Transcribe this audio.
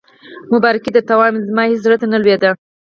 مبارکي یې درته وایم، زما هېڅ زړه ته نه لوېده.